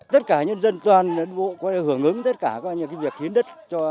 tất cả nhân dân toàn có hưởng ứng tất cả những việc hiến đất